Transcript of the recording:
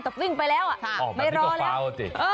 แต่วิ่งไปแล้วไม่รอแล้ว